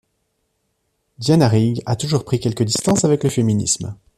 Diana Rigg a toujours pris quelque distance avec le féminisme.